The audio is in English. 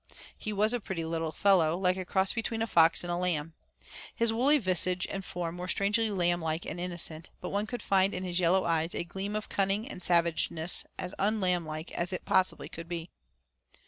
He was a pretty little fellow, like a cross between a fox and a lamb. His woolly visage and form were strangely lamb like and innocent, but one could find in his yellow eyes a gleam of cunning and savageness as unlamb like as it possibly could be.